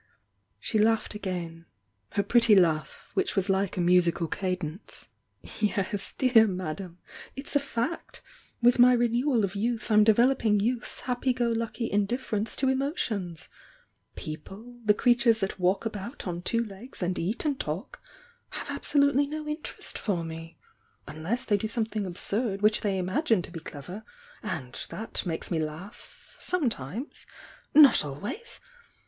She laughed a^^ — her pretty laugh, — which was like a musical cadence. "Yes, dear Madame!— it's a fact!— with my re newal of youth I'm developing youth's happy go lucky indiiFerence to emotions! People, — the crea tures that walk about on two legs and eat and talk — have absolutely no interest for me! — unless they do something absurd which they imagine to be clev er — and that makes me laugh, — sometimes, — not al ways!